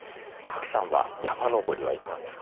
賀来さんは山登りはいかがですか？